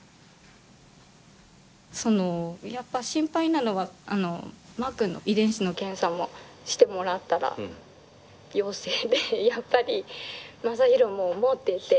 そのやっぱ心配なのはマー君の遺伝子の検査もしてもらったら陽性でやっぱりマサヒロも持ってて。